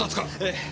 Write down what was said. ええ。